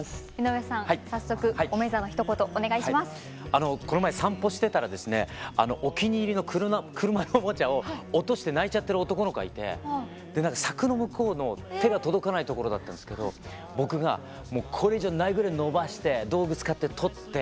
あのこの前散歩してたらですねお気に入りの車のおもちゃを落として泣いちゃってる男の子がいて柵の向こうの手が届かないところだったんですけど僕がもうこれ以上ないぐらい伸ばして道具使って取って返してあげました。